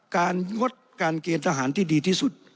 งดการเกณฑ์ทหารที่ดีที่สุด